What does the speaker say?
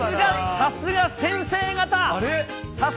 さすが先生方。